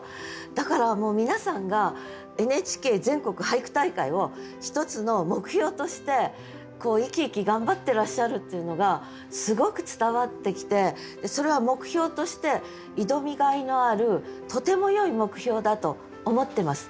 だから皆さんがＮＨＫ全国俳句大会を１つの目標として生き生き頑張ってらっしゃるっていうのがすごく伝わってきてそれは目標として挑みがいのあるとてもよい目標だと思ってます。